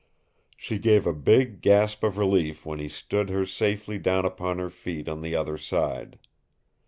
She gave a big gasp of relief when he stood her safely down upon her feet on the other side.